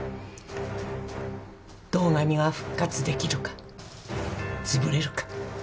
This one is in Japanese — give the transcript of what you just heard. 堂上が復活出来るか潰れるか。